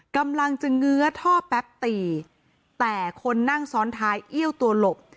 กำลังจะเงื้อท่อแป๊บตีแต่คนนั่งซ้อนท้ายเอี้ยวตัวหลบ